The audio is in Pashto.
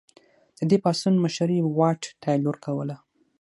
د دې پاڅون مشري واټ تایلور کوله.